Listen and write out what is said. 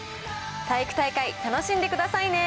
体育大会、楽しんでくださいね。